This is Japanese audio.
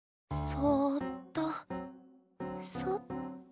そっとそっと。